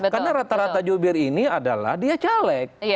karena rata rata jubir ini adalah dia caleg